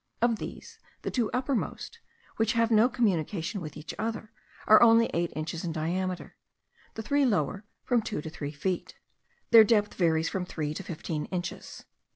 Of these the two uppermost, which have no communication with each other, are only eight inches in diameter; the three lower, from two to three feet. Their depth varies from three to fifteen inches.